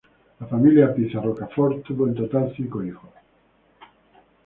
La familia Piza Rocafort tuvo en total cinco hijos.